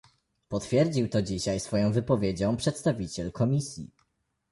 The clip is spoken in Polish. Potwierdził to dzisiaj swoją wypowiedzią przedstawiciel Komisji